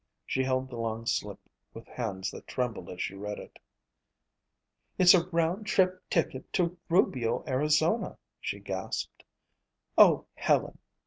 She held the long slip with hands that trembled as she read it. "It's a round trip ticket to Rubio, Arizona!" she gasped, "Oh, Helen!